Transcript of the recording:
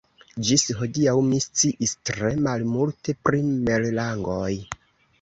Ĝis hodiaŭ mi sciis tre malmulte pri merlangoj.